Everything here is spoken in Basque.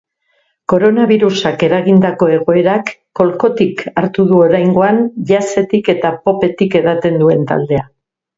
Koronabirusak eragindako egoerak kolkotik hartu du oraingoan jazzetik eta popetik edaten duen taldea.